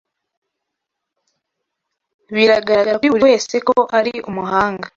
Biragaragara kuri buri wese ko ari umuhanga.